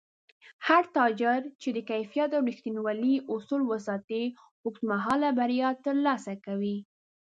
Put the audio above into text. هر تاجر چې د کیفیت او رښتینولۍ اصول وساتي، اوږدمهاله بریا ترلاسه کوي